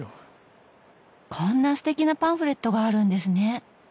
こんなすてきなパンフレットがあるんですね。